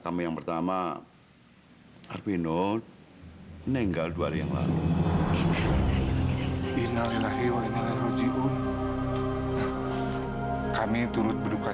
kamu yang pertama armino nenggal dua hari yang lalu innalillahi wa inna roji'un kami turut berduka